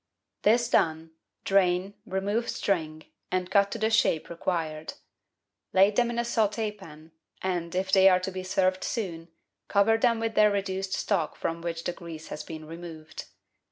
This done, drain, remove string, and cut to the shape re quired. Lay them in a saut^pan, and, if they are to be served soon, cover them with their reduced stock from which the grease has been removed.